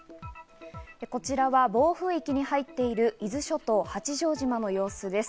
こちらは暴風域に入っている、伊豆諸島八丈島の様子です。